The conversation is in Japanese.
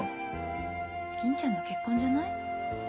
銀ちゃんの結婚じゃない？